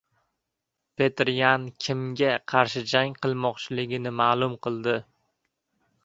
Petr Yan kimga qarshi jang qilmoqchiligini ma’lum qildi